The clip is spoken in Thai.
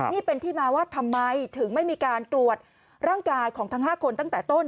นี่เป็นที่มาว่าทำไมถึงไม่มีการตรวจร่างกายของทั้ง๕คนตั้งแต่ต้น